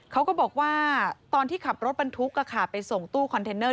เขาก็บอกว่าตอนที่ขับรถบรรทุกไปส่งตู้คอนเทนเนอร์